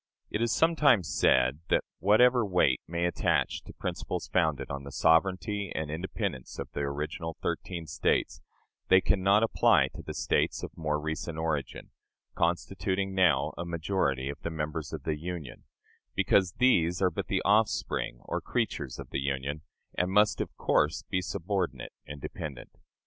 It is sometimes said that, whatever weight may attach to principles founded on the sovereignty and independence of the original thirteen States, they can not apply to the States of more recent origin constituting now a majority of the members of the Union because these are but the offspring or creatures of the Union, and must of course be subordinate and dependent.